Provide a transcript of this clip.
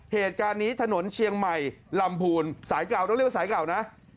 เหตุการณ์นี้ถนนเชียงใหม่ลำพูนสายเก่าต้องเรียกว่าสายเก่านะ